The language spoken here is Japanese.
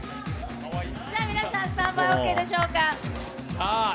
皆さんスタンバイオーケーでしょうか。